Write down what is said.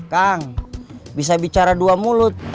kang bisa bicara dua mulut